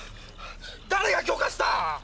誰が許可した！？